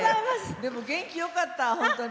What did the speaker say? でも、元気よかった、本当に。